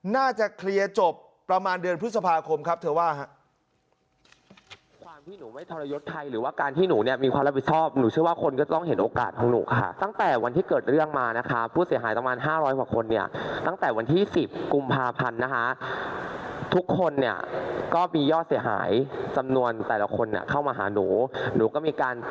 น่าจะเคลียร์จบประมาณเดือนพฤษภาคมครับเธอว่า